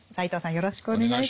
よろしくお願いします。